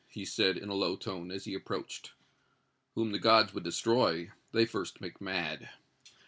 he said, in a low tone, as he approached. "'Whom the gods would destroy, they first make mad.'